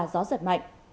gió giật mạnh